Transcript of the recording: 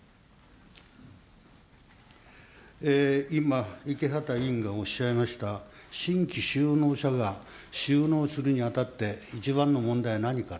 今、池畑委員がおっしゃいました、新規就農者が就農するにあたって、一番の問題、何か。